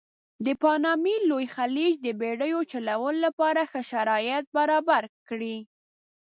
د پانامې لوی خلیج د بېړیو چلولو لپاره ښه شرایط برابر کړي.